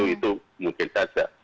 itu mungkin saja